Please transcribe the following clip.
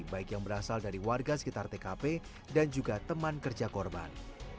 baik yang berasal dari warga sekitar tkp dan juga teman kerja korban